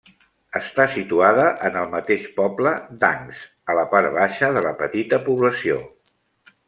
Està situada en el mateix poble d'Ancs, a la part baixa de la petita població.